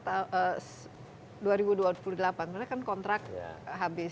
karena kan kontrak habis